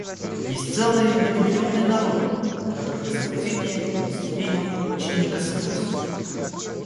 Есть целые многомиллионные народы, которых изобретения и мысли гениев почти не коснулись.